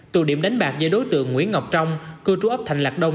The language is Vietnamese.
tụ điểm đánh bạc dưới đối tượng nguyễn ngọc trong cư trú ấp thành lạc đông